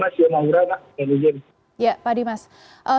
siap pak dimas yamahir